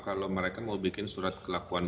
kalau mereka mau bikin surat kelakuan